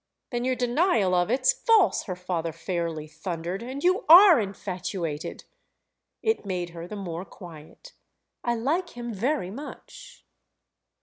"Then your denial of it's false," her father fairly thundered—"and you are infatuated?" It made her the more quiet. "I like him very much."